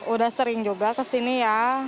udah sering juga kesini ya